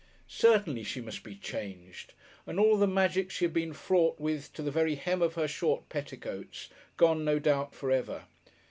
Certainly she must be changed, and all the magic she had been fraught with to the very hem of her short petticoats gone no doubt for ever.